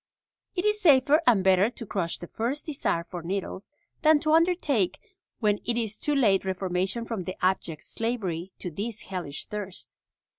It is safer and better to crush the first desire for needles than to undertake when it is too late reformation from the abject slavery to this hellish thirst.